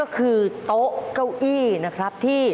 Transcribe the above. เพราะเรากัดบ่อย